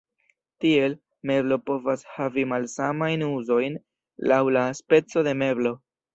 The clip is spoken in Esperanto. Tiel, meblo povas havi malsamajn uzojn laŭ la speco de meblo.